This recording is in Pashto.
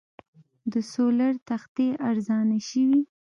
د سولر تختې ارزانه شوي؟